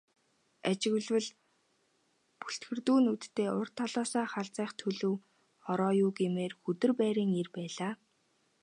Ажиглавал бүлтгэрдүү нүдтэй урд талаасаа халзайх төлөв ороо юу гэмээр, хүдэр байрын эр байлаа.